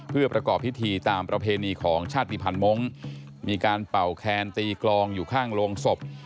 เพื่อประกอบพิธีตามประเพณีของชาติภัณฑ์มงค์มีการเป่าแคนตีกลองอยู่ข้างโรงศพ